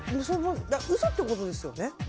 嘘ってことですよね？